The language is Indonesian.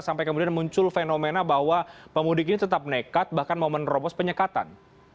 sampai kemudian muncul fenomena bahwa pemudik ini tetap nekat bahkan mau menerobos penyekatan